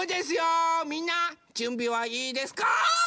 みんなじゅんびはいいですか？